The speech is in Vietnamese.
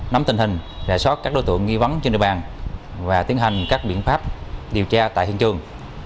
nắm tình hình rà soát các đối tượng nghi vấn trên địa bàn và tiến hành các biện pháp điều tra tại hiện trường